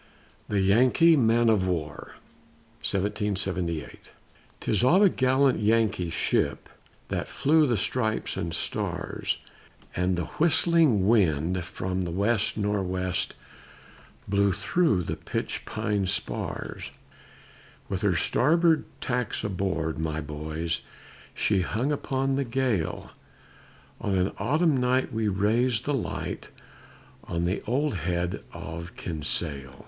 THE YANKEE MAN OF WAR 'Tis of a gallant Yankee ship that flew the stripes and stars, And the whistling wind from the west nor' west blew through the pitch pine spars, With her starboard tacks aboard, my boys, she hung upon the gale, On an autumn night we raised the light on the old head of Kinsale.